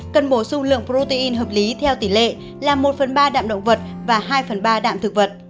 cần bổ sung lượng protein hợp lý theo tỷ lệ là một phần ba đạm động vật và hai phần ba đạm thực vật